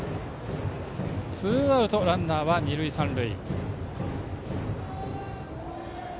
ツーアウト、ランナーは二塁三塁。